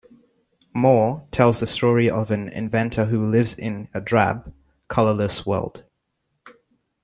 "More" tells the story of an inventor who lives in a drab, colorless world.